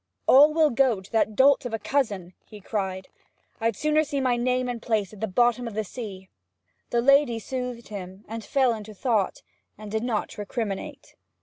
'All will go to that dolt of a cousin!' he cried. 'I'd sooner see my name and place at the bottom of the sea!' The lady soothed him and fell into thought, and did not recriminate.